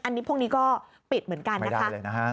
อันนี้พวกนี้ก็ปิดเหมือนกันไม่ได้เลยนะคะ